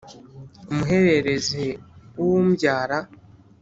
umuhererezi w’umbyara